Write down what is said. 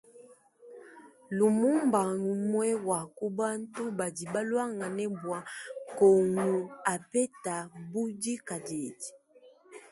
Lumumba mgumue wa kubantu badi baluangane bua kongu apeta budikadidi.